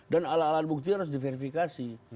dan alat alat bukti harus diverifikasi